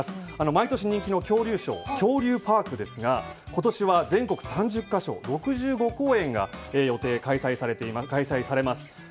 毎年人気の恐竜ショー恐竜パークですが今年は全国３０か所６５公演が予定、開催されます。